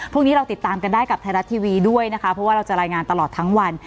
เพราะว่าเราจะลายงานตลอดทั้งวัน